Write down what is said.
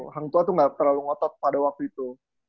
hang tuah tuh gak terlalu ngotot pada waktu itu